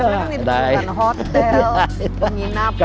karena kan itu bukan hotel penginapan restoran